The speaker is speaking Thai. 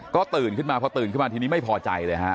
ก็ตื่นขึ้นมาพอตื่นขึ้นมาทีนี้ไม่พอใจเลยฮะ